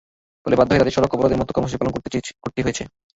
ফলে বাধ্য হয়ে তাঁদের সড়ক অবরোধের মতো কর্মসূচি পালন করতে হয়েছে।